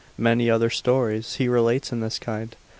Many other stories he relates in this kind.